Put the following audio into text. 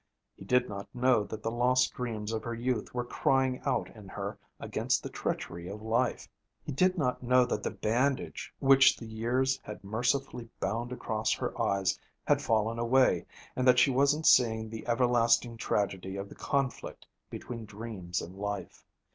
He did not know that the lost dreams of her youth were crying out in her against the treachery of life. He did not know that the bandage which the years had mercifully bound across her eyes had fallen away, and that she was seeing the everlasting tragedy of the conflict between dreams and life.